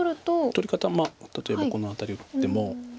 取り方も例えばこの辺りを打っても。